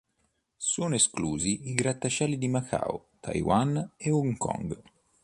Sono esclusi i grattacieli di Macao, Taiwan e Hong Kong.